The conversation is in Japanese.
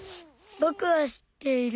ぼくは知っている。